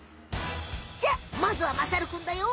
じゃまずはまさるくんだよ。